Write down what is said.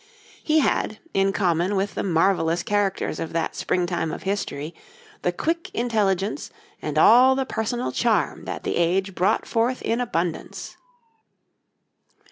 He had, in common with the marvellous characters of that Springtime of History, the quick intelligence and all the personal charm that the age brought forth in abundance.